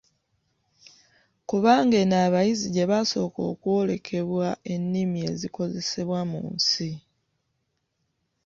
Kubanga eno abayizi gye basooka okwolekebwa ennimi ezikozesebwa mu nsi.